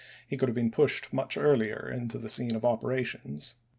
he could have been pushed much earlier to the scene of operations."